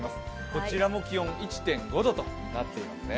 こちらも気温は１．５度となっていますね。